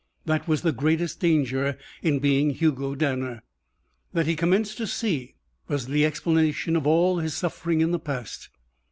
That was the greatest danger in being Hugo Danner. That, he commenced to see, was the explanation of all his suffering in the past.